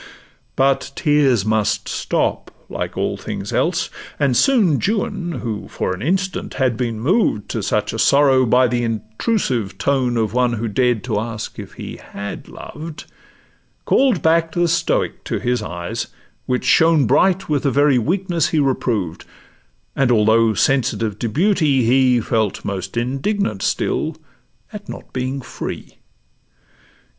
But tears must stop like all things else; and soon Juan, who for an instant had been moved To such a sorrow by the intrusive tone Of one who dared to ask if 'he had loved,' Call'd back the stoic to his eyes, which shone Bright with the very weakness he reproved; And although sensitive to beauty, he Felt most indignant still at not being free.